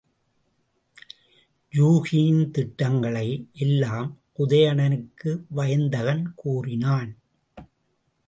யூகியின் திட்டங்களை எல்லாம் உதயணனுக்கு வயந்தகன் கூறினான்.